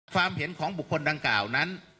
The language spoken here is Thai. ความเห็นของบุคคลดังกล่าวนั้น